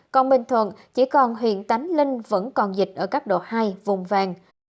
còn bình thuận chỉ còn huyện tánh linh vẫn còn dịch ở cấp độ hai vùng vàng